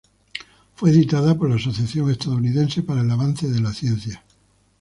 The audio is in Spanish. Fue editada por la Asociación Estadounidense para el Avance de la Ciencia.